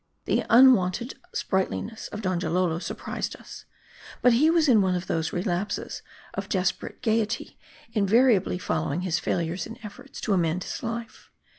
The unwonted sprightliness of Donjalolo surprised us. But he was in one of those relapses of desperate gayety in variably following his failures in efforts to amend his life.